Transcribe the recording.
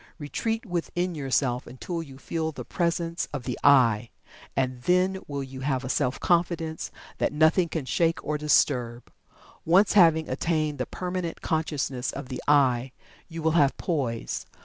Retreat within yourself until you feel the presence of the "I," and then will you have a Self Confidence that nothing can shake or disturb. Once having attained the permanent consciousness of the "I," you will have poise.